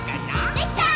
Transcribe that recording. できたー！